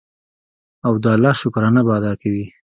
او د الله شکرانه به ادا کوي.